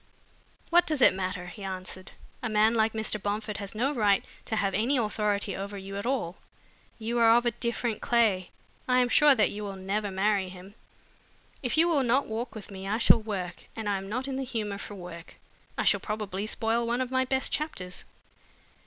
"What does it matter?" he answered. "A man like Mr. Bomford has no right to have any authority over you at all. You are of a different clay. I am sure that you will never marry him. If you will not walk with me, I shall work, and I am not in the humor for work. I shall probably spoil one of my best chapters."